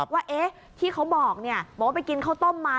ว่าที่เขาบอกว่าไปกินข้าวต้มมา